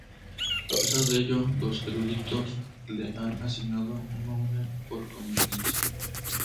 A pesar de ello, los eruditos le han asignado un nombre por conveniencia.